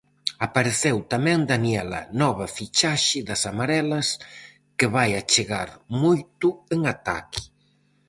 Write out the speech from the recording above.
Apareceu tamén Daniela, nova fichaxe das amarelas, que vai achegar moito en ataque.